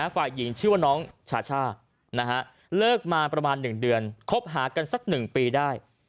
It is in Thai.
ฝ่ายหญิงชื่อว่าน้องชาช่าเลิกมาประมาณ๑เดือนคบหากันสัก๑ปีได้